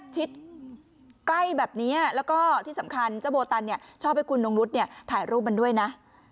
ใกล้แบบนี้แล้วก็ที่สำคัญเจ้าโบตันเนี่ยชอบให้คุณนงนุษย์ถ่ายรูปมันด้วยนะ